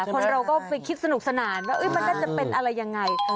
คนเราก็ไปคิดสนุกสนานว่ามันน่าจะเป็นอะไรยังไง